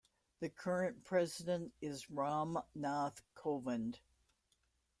The current President is Ram Nath Kovind.